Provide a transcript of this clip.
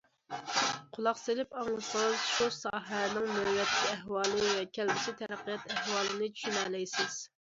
قۇلاق سېلىپ ئاڭلىسىڭىز شۇ ساھەنىڭ نۆۋەتتىكى ئەھۋالى ۋە كەلگۈسى تەرەققىيات ئەھۋالىنى چۈشىنەلەيسىز.